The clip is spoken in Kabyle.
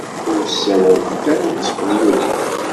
Ur ssawalent ara taspenyulit.